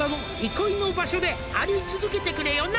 「憩いの場所であり続けてくれよな」